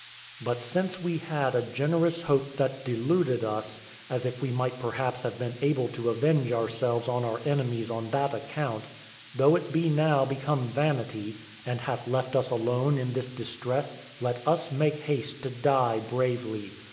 But since we had a generous hope that deluded us, as if we might perhaps have been able to avenge ourselves on our enemies on that account, though it be now become vanity, and hath left us alone in this distress, let us make haste to die bravely.